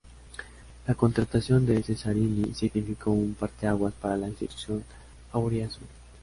La contratación de Cesarini significó un parteaguas para la institución auriazul.